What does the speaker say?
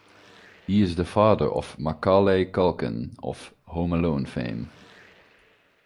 He is the father of Macaulay Culkin, of "Home Alone" fame.